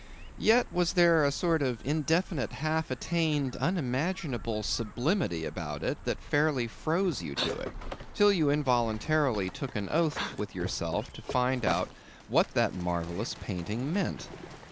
Yet was there a sort of indefinite, half attained, unimaginable sublimity about it that fairly froze you to it, till you involuntarily took an oath with yourself to find out what that marvellous painting meant.